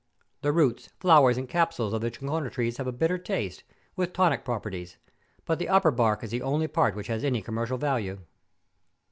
... The roots, flowers, and capsules of the chinchona trees have a bitter taste, with tonic properties; but the upper bark is the only part which has any commercial value.